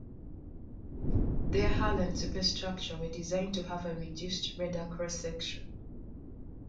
Their hull and superstructure were designed to have a reduced radar cross section.